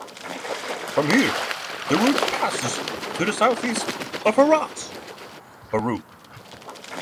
From here, the route passes to the southeast of Harrah's.